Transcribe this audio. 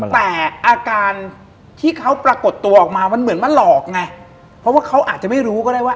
แต่อาการที่เขาปรากฏตัวออกมามันเหมือนมาหลอกไงเพราะว่าเขาอาจจะไม่รู้ก็ได้ว่า